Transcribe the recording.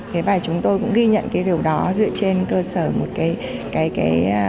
thế vài chúng tôi cũng ghi nhận cái điều đó dựa trên cơ sở một cái trường